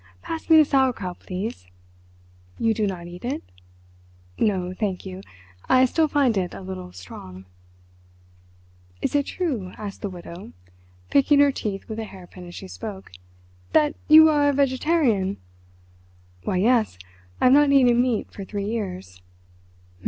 Pass me the sauerkraut, please. You do not eat it?" "No, thank you. I still find it a little strong." "Is it true," asked the Widow, picking her teeth with a hairpin as she spoke, "that you are a vegetarian?" "Why, yes; I have not eaten meat for three years."